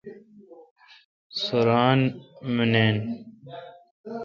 سو راین مانین۔